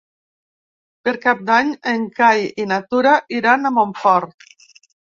Per Cap d'Any en Cai i na Tura iran a Montfort.